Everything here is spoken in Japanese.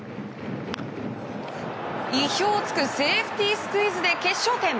意表を突くセーフティースクイズで決勝点。